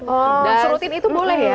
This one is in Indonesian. oh serutin itu boleh ya